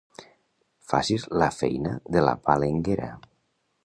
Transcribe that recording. Facis la feina de la balenguera.